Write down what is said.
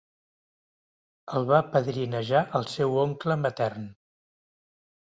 El va padrinejar el seu oncle matern.